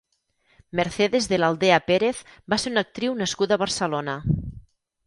Mercedes de la Aldea Pérez va ser una actriu nascuda a Barcelona.